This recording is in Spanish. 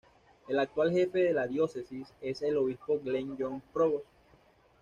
El actual jefe de la Diócesis es el Obispo Glen John Provost.